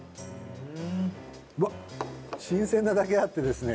新鮮なだけあってですね